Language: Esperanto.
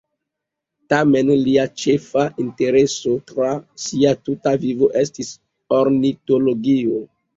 Tamen, lia ĉefa intereso tra sia tuta vivo estis ornitologio.